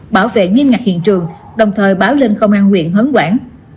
bảo vệ nghiêm ngặt hiện trường đồng thời báo lên công an huyện hấn quảng